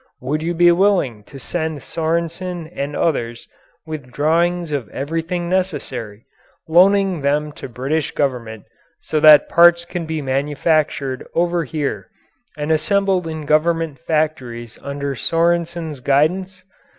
Would you be willing to send Sorensen and others with drawings of everything necessary, loaning them to British Government so that parts can be manufactured over here and assembled in Government factories under Sorensen's guidance?